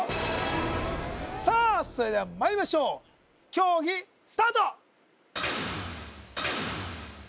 さあそれではまいりましょう競技スタート！